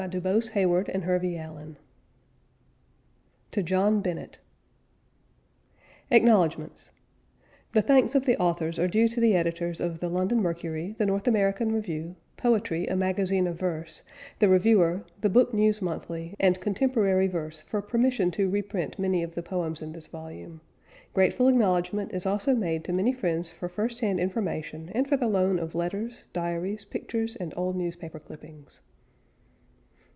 of Canada, Ltd. Toronto 1922 TO JOHN BENNETT ACKNOWLEDGMENTS The thanks of the authors are due to the editors of The London Mercury, The North American Review, Poetry, A Magazine of Verse, The Reviewer, The Book News Monthly, and Contemporary Verse for permission to reprint many of the poems in this volume. Grateful acknowledgment is also made to many friends for first hand information and for the loan of letters, diaries, pictures, and old newspaper clippings.